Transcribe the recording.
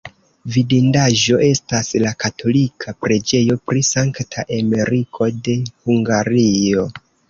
Vidindaĵo estas la katolika preĝejo pri Sankta Emeriko de Hungario.